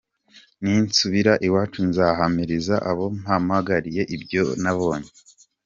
Ninsubira iwacu nzahamiriza abo mpagarariye ibyo nabonye.